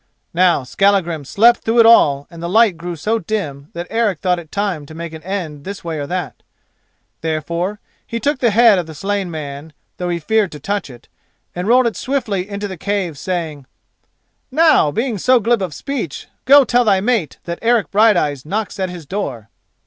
Now Skallagrim slept through it all and the light grew so dim that Eric thought it time to make an end this way or that. Therefore, he took the head of the slain man, though he feared to touch it, and rolled it swiftly into the cave, saying, "Now, being so glib of speech, go tell thy mate that Eric Brighteyes knocks at his door."